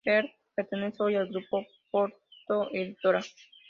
Bertrand pertenece hoy al grupo Porto Editora.